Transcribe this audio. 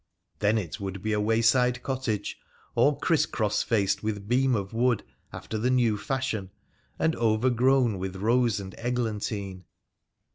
Then it would be a wayside cottage, all cris cross faced with beam of wood, after the new fashion, and overgrown with rose and eglantine.